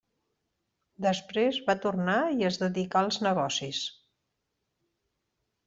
Després va tornar i es dedicà als negocis.